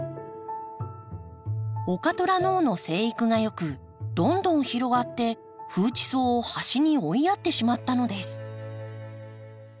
オカトラノオの生育が良くどんどん広がってフウチソウを端に追いやってしまったのです。